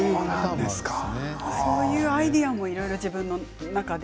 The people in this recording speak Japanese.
そういうアイデアも自分の中で。